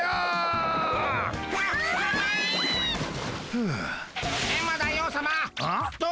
ふう。